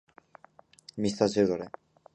教科書には載っていない